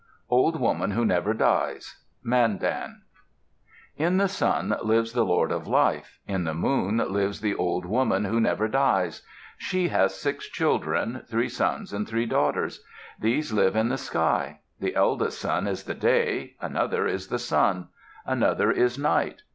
FOOTNOTE: [L] James Mooney. OLD WOMAN WHO NEVER DIES Mandan In the sun lives the Lord of Life. In the moon lives Old Woman Who Never Dies. She has six children, three sons and three daughters. These live in the sky. The eldest son is the Day; another is the Sun; another is Night.